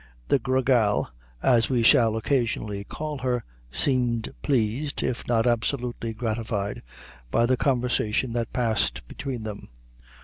The Gra Gal, as we shall occasionally call her, seemed pleased, if not absolutely gratified, by the conversation that passed between them.